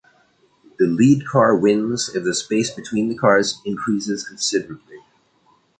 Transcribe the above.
The lead car wins if the space between the cars increases considerably.